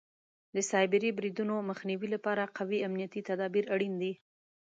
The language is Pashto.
د سایبري بریدونو مخنیوي لپاره قوي امنیتي تدابیر اړین دي.